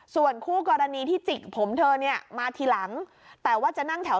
ส่วนคู่กรณีที่จิกผมเธอเนี่ยมาทีหลังแต่ว่าจะนั่งแถว